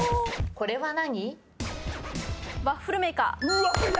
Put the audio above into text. これは何？